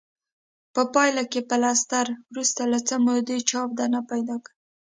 په پایله کې پلستر وروسته له څه مودې چاود نه پیدا کوي.